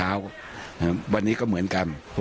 กำลังรอบที่นี่นะครับตำรวจสภศรีสมเด็จ